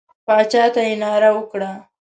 باچا ته یې ناره وکړه.